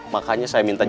makanya saya jemput otang